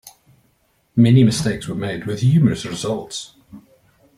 Many mistakes were made with humorous results.